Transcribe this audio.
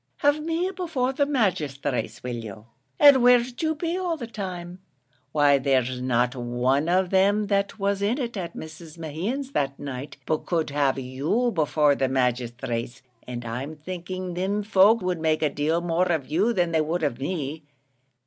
Have me before the magisthrates will you? and where'd you be all the time? Why there's not one of them that was in it, at Mrs. Mehan's that night, but could have you before the magisthrates, and I'm thinking thim folk would make a deal more of you than they would of me.